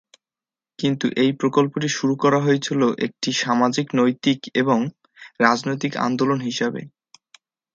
কিন্তু এই প্রকল্পটি শুরু করা হয়েছিল একটি সামাজিক, নৈতিক এবং রাজনৈতিক আন্দোলন হিসাবে।